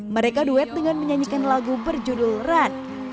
mereka duet dengan menyanyikan lagu berjudul run